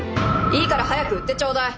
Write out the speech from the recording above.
いいから早く売ってちょうだい。